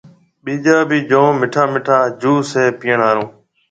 ٻيجا ڀِي جوم مِٺا مِٺا جوُس هيَ پِئيڻ هاورن۔